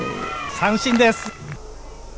三振です。